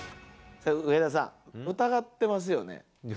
上田さん、疑ってますよね？